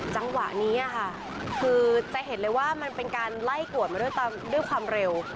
จังหวะนี้ค่ะคือจะเห็นเลยว่ามันเป็นการไล่กวดมาด้วยความเร็ว